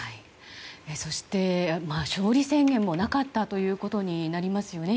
そして、勝利宣言もなかったということになりますよね